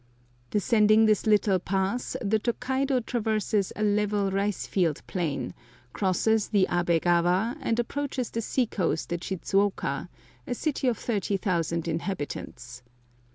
Descending this little pass the Tokaido traverses a level rice field plain, crosses the Abe kawa, and approaches the sea coast at Shidzuoka, a city of thirty thousand inhabitants.